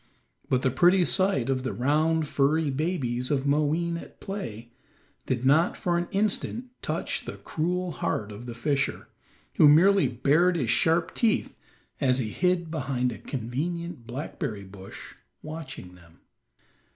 But the pretty sight of the round, furry babies of Moween at play did not for an instant touch the cruel heart of the fisher, who merely bared his sharp teeth as he hid behind a convenient blackberry bush watching them.